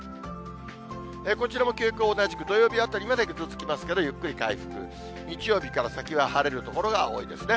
こちらも傾向同じく、土曜日あたりまでぐずつきますけどゆっくり回復、日曜日から先は晴れる所が多いですね。